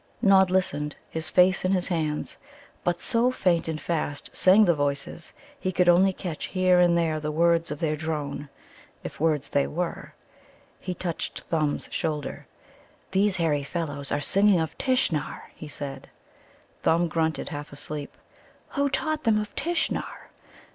Nod listened, his face in his hands, but so faint and fast sang the voices he could only catch here and there the words of their drone, if words there were. He touched Thumb's shoulder. "These hairy fellows are singing of Tishnar!" he said. Thumb grunted, half asleep. "Who taught them of Tishnar?"